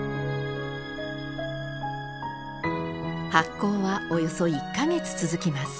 発酵はおよそ１か月続きます。